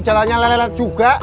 jalannya lelelat juga